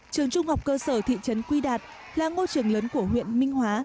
trường trung học cơ sở thị trấn quy đạt là ngôi trường lớn của huyện minh hóa